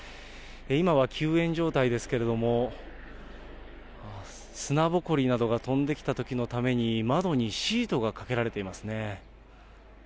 今は休園状態ですけれども、砂ぼこりなどが飛んできたときのために、窓にシートがかけられていますね。